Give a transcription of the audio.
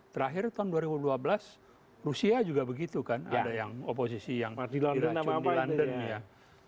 terakhir tahun dua ribu dua belas rusia juga begitu kan ada yang oposisi yang tidak cuma di london ya